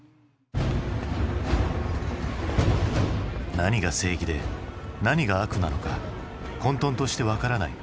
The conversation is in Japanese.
何が正義で何が悪なのか混とんとして分からない。